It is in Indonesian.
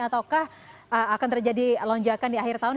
ataukah akan terjadi lonjakan di akhir tahun